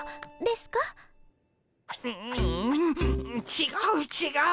ちがうちがう。